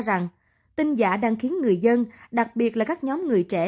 rằng tin giả đang khiến người dân đặc biệt là các nhóm người trẻ